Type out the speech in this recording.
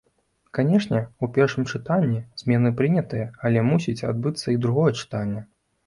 Канешне, у першым чытанні змены прынятыя, але мусіць адбыцца і другое чытанне.